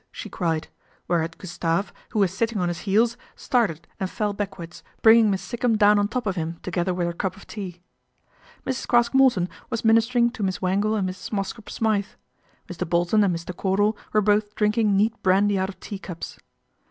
she cried, i whereat Gustave, who was sitting on his heels, started and fell backwards, bringing Miss Sikkum down on top of him together with her cup of tea. Mrs. Craske Morton was ministering to Miss Wangle and Mrs. Mosscrop Smythe. Mr. Bolton and Mr. Cordal were both drinking neat brandy out of teacups.